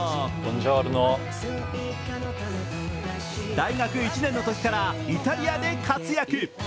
大学１年のときからイタリアで活躍。